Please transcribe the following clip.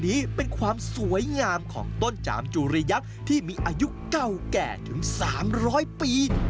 นี้เป็นความสวยงามของต้นจามจุริยักษ์ที่มีอายุเก่าแก่ถึง๓๐๐ปี